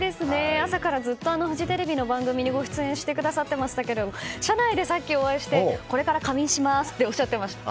朝からずっとフジテレビの番組に出演してくださっていましたけど社内でさっきお会いしてこれから仮眠しますっておっしゃっていました。